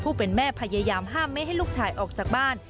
แม่พยายามห้ามไม่ให้ลูกชายออกจากบ้าน